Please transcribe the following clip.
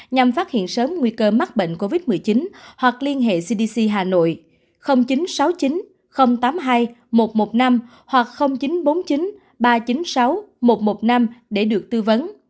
nhằm phát hiện sớm nguy cơ mắc bệnh covid một mươi chín hoặc liên hệ cdc hà nội chín trăm sáu mươi chín tám mươi hai một trăm một mươi năm hoặc chín trăm bốn mươi chín ba trăm chín mươi sáu một trăm một mươi năm để được tư vấn